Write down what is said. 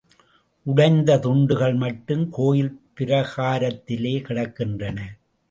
உடைந்த துண்டுகள் மட்டும் கோயில் பிராகாரத்திலே கிடக்கின்றன.